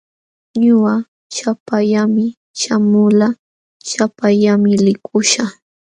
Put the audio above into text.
Ñuqa shapallaami shamulqaa, shapallaami likuśhaq.